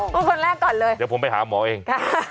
พูดคนแรกก่อนเลยเดี๋ยวผมไปหาหมอเอง